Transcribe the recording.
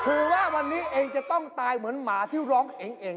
คือว่าวันนี้เองจะต้องตายเหมือนหมาที่ร้องเอง